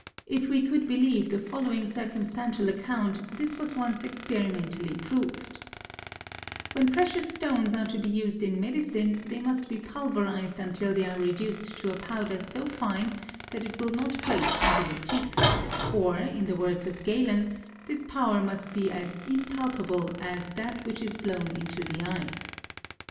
If we could believe the following circumstantial account, this was once experimentally proved: When precious stones are to be used in medicine, they must be pulverized until they are reduced to a powder so fine that it will not grate under the teeth, or, in the words of Galen, this powder must be as impalpable "as that which is blown into the eyes."